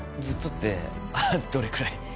ずっとってどれくらい？